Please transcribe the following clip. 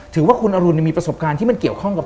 ถือว่าคุณอรุณมีประสบการณ์ที่มันเกี่ยวข้องกับ